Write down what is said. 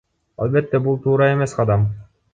Албетте, бул туура эмес кадам.